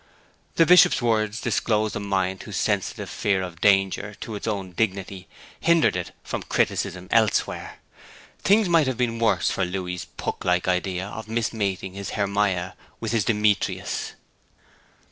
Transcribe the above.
The Bishop's words disclosed a mind whose sensitive fear of danger to its own dignity hindered it from criticism elsewhere. Things might have been worse for Louis's Puck like idea of mis mating his Hermia with this Demetrius.